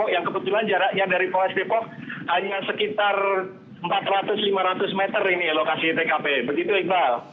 yang kebetulan jaraknya dari polres depok hanya sekitar empat ratus lima ratus meter ini lokasi tkp begitu iqbal